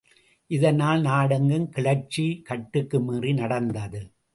இதனால் நாடெங்கும் கிளர்ச்சி கட்டுக்கு மீறி நடந்தது.